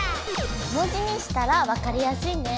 文字にしたらわかりやすいね。